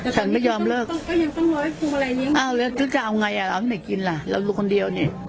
ฉันไม่ยอมเลิกเอ้าจะเอาไงอ่ะเอาที่ไหนกินล่ะเราลูกคนเดียวนี่